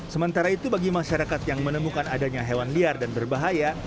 sementara itu bagi masyarakat yang menemukan adanya hewan liar dan berbahaya